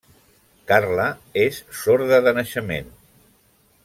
Carla és sorda de naixement.